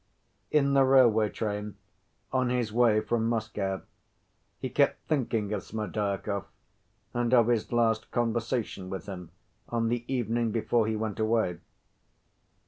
In the railway train on his way from Moscow, he kept thinking of Smerdyakov and of his last conversation with him on the evening before he went away.